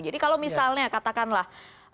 jadi kalau misalnya katakanlah